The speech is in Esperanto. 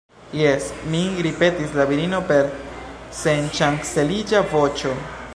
Jes, min, ripetis la virino per senŝanceliĝa voĉo.